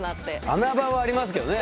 穴場はありますけどね。